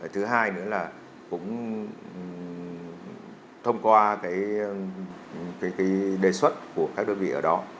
thứ hai nữa là cũng thông qua đề xuất của các đơn vị ở đó